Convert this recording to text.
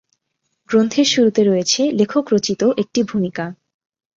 গ্রন্থের শুরুতে রয়েছে লেখক রচিত একটি ভূমিকা।